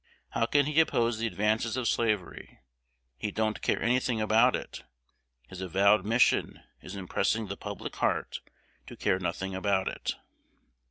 How can he oppose the advances of slavery? He don't care any thing about it. His avowed mission is impressing the "public heart" to care nothing about it.